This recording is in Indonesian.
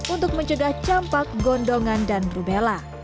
untuk mencegah campak gondongan dan rubella